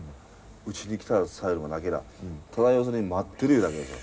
打ちにきたスタイルもなけりゃただ要するに待ってるいうだけでしょ。